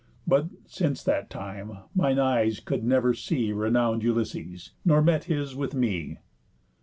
But, since that time, mine eyes could never see Renown'd Ulysses, nor met his with me."